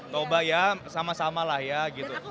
toba ya sama sama lah ya gitu